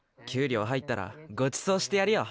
りょう入ったらごちそうしてやるよ。